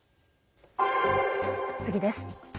次です。